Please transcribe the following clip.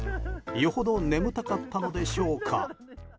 よほど眠たかったのでしょうか。